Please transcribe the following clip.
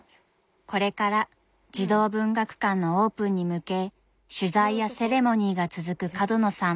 これから児童文学館のオープンに向け取材やセレモニーが続く角野さん。